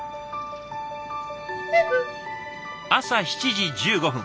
朝７時１５分。